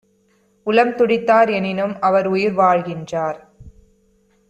உளம்துடித்தார்; எனினும்அவர் உயிர்வாழ்கின்றார்.